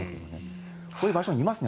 こういう場所にいますね